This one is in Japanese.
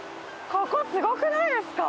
ここすごくないですか？